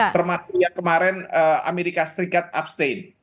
termasuk yang kemarin amerika serikat abstain